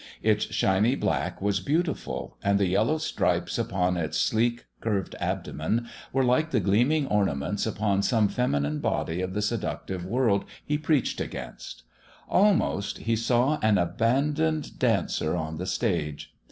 Its shiny black was beautiful, and the yellow stripes upon its sleek, curved abdomen were like the gleaming ornaments upon some feminine body of the seductive world he preached against. Almost, he saw an abandoned dancer on the stage.